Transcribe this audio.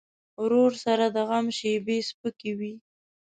ورور سره د غم شیبې سپکې وي.